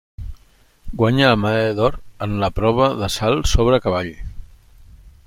Guanyà la medalla d'or en la prova del salt sobre cavall.